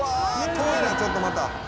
遠いなちょっとまた」